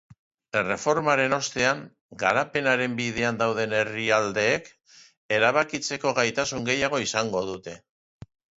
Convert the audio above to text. Erreformaren ostean, garapenaren bidean dauden herrialdeek erabakitzeko gaitasun gehiago izango dute.